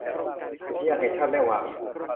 อุทยานแห่งชาติแม่วาง